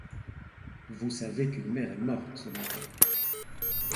Vous savez qu'une mère est morte ce matin.